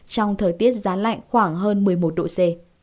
trong thời tiết giá lạnh khoảng hơn một mươi một độ c